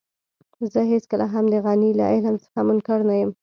زه هېڅکله هم د غني له علم څخه منکر نه يم.